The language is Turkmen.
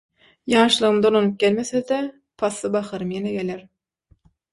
ýaşlygym dolanyp gelmese-de, pasly baharym ýene geler.